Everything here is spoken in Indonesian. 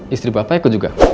istri bapak ikut juga